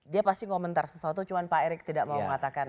dia pasti komentar sesuatu cuma pak erick tidak mau mengatakan